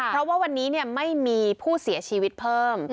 เพราะว่าวันนี้ไม่มีผู้เสียชีวิตเพิ่ม